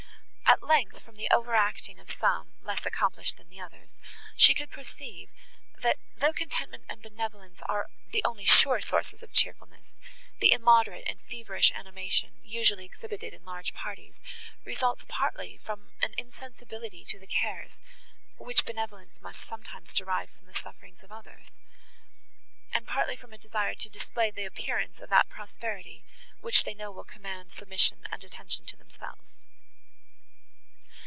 At length, from the over acting of some, less accomplished than the others, she could perceive, that, though contentment and benevolence are the only sure sources of cheerfulness, the immoderate and feverish animation, usually exhibited in large parties, results partly from an insensibility to the cares, which benevolence must sometimes derive from the sufferings of others, and partly from a desire to display the appearance of that prosperity, which they know will command submission and attention to themselves.